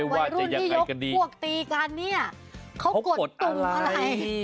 วัยรุ่นที่ยกพวกตีกันเนี่ยเขากดตุมอะไร